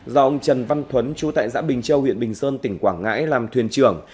do ông trần văn thuấn chú tại xã bình châu huyện bình sơn tỉnh quảng ngãi làm thuyền trưởng